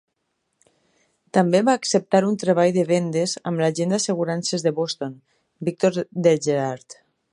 També va acceptar un treball de vendes amb l'agent d'assegurances de Boston, Victor De Gerard.